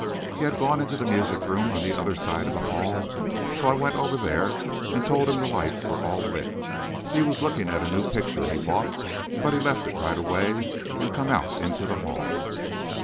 He had gone into the music room on the other side of the hall, so I went over there and told him the lights were all lit. He was looking at a new picture he'd bought, but he left it right away and come out into the hall.